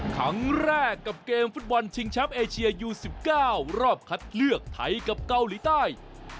ครั้งแรกกับเกมฟุตบอลชิงแชมป์เอเชียยู๑๙รอบคัดเลือกไทยกับเกาหลีใต้